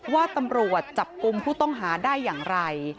ว่าตำรวจจับกลุ่มผู้ต้องหาได้อย่างไร